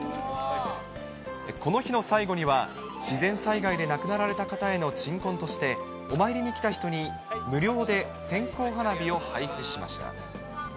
この日の最後には、自然災害で亡くなられた方への鎮魂として、お参りに来た人に無料で線香花火を配布しました。